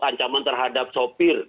ancaman terhadap sopir